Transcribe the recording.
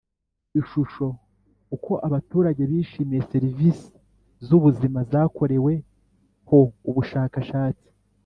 Ishusho Uko abaturage bishimiye serivisi z ubuzima zakoreweho ubushakashatsi